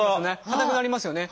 硬くなりますよね。